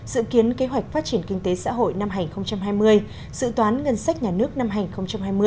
dự kiến kế hoạch phát triển kinh tế xã hội năm hành hai mươi dự toán ngân sách nhà nước năm hành hai mươi